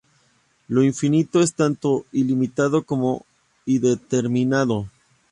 Lo infinito es tanto ilimitado como indeterminado.